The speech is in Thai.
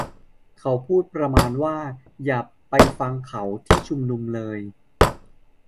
เขาพูดประมาณว่า อย่าไปฟังเขาที่ชุมนุมเลย